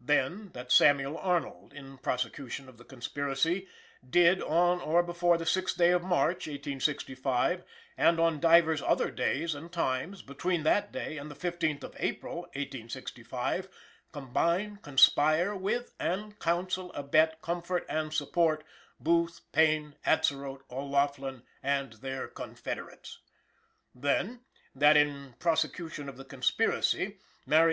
Then, that Samuel Arnold, in prosecution of the conspiracy, "did, on or before the 6th day of March, 1865, and on divers other days and times between that day and the 15th day of April, 1865, combine, conspire with and counsel, abet, comfort and support" Booth, Payne, Atzerodt, O'Laughlin and their confederates. Then, "that, in prosecution of the conspiracy, Mary E.